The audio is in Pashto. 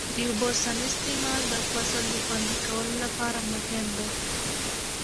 د اوبو سم استعمال د فصل د خوندي کولو لپاره مهم دی.